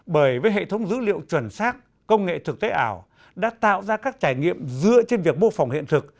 bởi với hệ thống dữ liệu chuẩn xác công nghệ thực tế ảo đã tạo ra các trải nghiệm dựa trên việc mô phỏng hiện thực